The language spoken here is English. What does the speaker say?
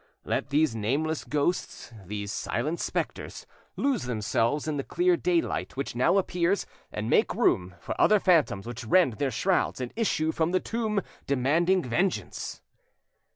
Let these nameless ghosts, these silent spectres, lose themselves in the clear daylight which now appears, and make room for other phantoms which rend their shrouds and issue from the tomb demanding vengeance.